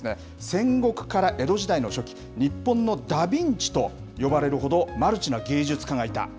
戦国から江戸時代の初期、日本のダ・ヴィンチと呼ばれるほどマルチな芸術家がいた。